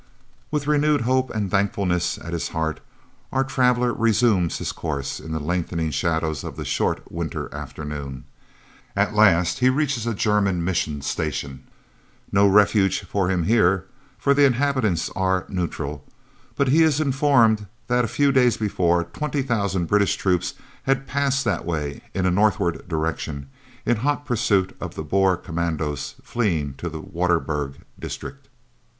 With renewed hope and thankfulness at his heart our traveller resumes his course in the lengthening shadows of the short winter afternoon. At last he reaches a German mission station. No refuge for him here! For the inhabitants are "neutral," but he is informed that a few days before 20,000 British troops had passed that way in a northward direction, in hot pursuit of the Boer commandos fleeing to the Waterberg district.